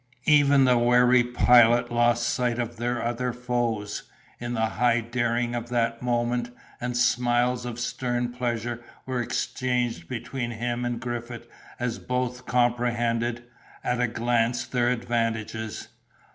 Even the wary Pilot lost sight of their other foes, in the high daring of that moment, and smiles of stern pleasure were exchanged between him and Griffith as both comprehended, at a glance, their advantages.